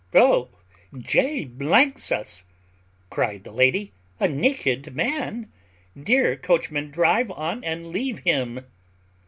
"O J sus!" cried the lady; "a naked man! Dear coachman, drive on and leave him."